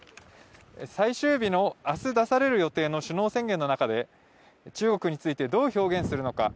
最終日の明日出される予定の首脳宣言の中で中国について、どう表現するのか。